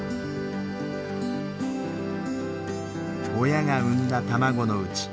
親が産んだ卵のうち